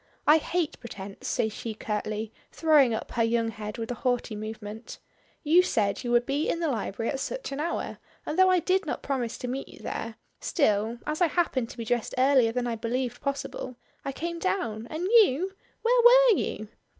"I hate pretence," says she curtly, throwing up her young head with a haughty movement. "You said you would be in the library at such an hour, and though I did not promise to meet you there, still, as I happened to be dressed earlier than I believed possible, I came down, and you ? Where were you?"